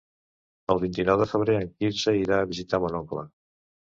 El vint-i-nou de febrer en Quirze irà a visitar mon oncle.